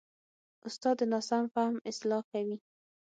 استاد د ناسم فهم اصلاح کوي.